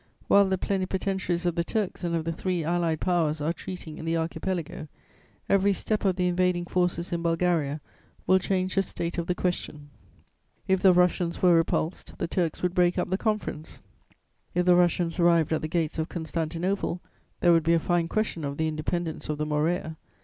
While the plenipotentiaries of the Turks and of the three Allied Powers are treating in the Archipelago, every step of the invading forces in Bulgaria will change the state of the question. If the Russians were repulsed, the Turks would break up the conference; if the Russians arrived at the gates of Constantinople, there would be a fine question of the independence of the Morea!